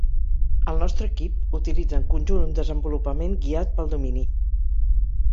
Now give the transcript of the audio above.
El nostre equip utilitza en conjunt un desenvolupament guiat pel domini.